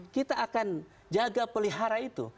kita akan jaga pelihara itu